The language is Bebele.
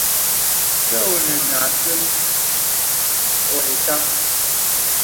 Kə ɔnə nə àkəl wɔ ìtâm.